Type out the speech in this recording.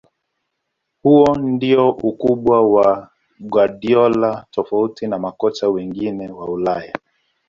Huo ndio ukubwa wa guardiola tofauti na makocha wengine wa ulaya